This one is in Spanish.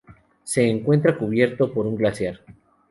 Se encuentra cubierto por un glaciar.